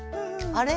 あれ？